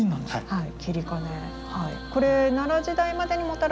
はい。